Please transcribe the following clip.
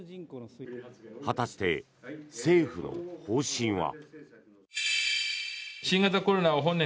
果たして、政府の方針は。